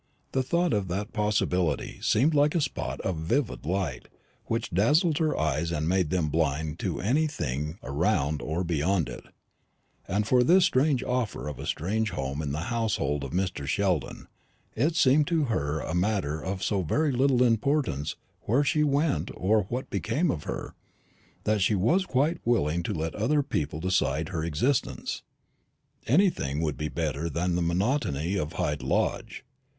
The thought of that possibility seemed like a spot of vivid light, which dazzled her eyes and made them blind to anything around or beyond it. As for this offer of a strange home in the household of Mr. Sheldon, it seemed to her a matter of so very little importance where she went or what became of her, that she was quite willing to let other people decide her existence. Anything would be better than the monotony of Hyde Lodge.